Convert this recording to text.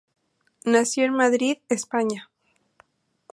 Nació en Madrid, España.